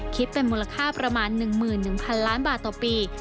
คิดเป็นมูลค่าประมาณ๑๑๐๐๐ล้านบาทต่อปี